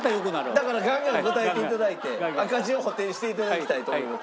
だからガンガン答えて頂いて赤字を補填して頂きたいと思います。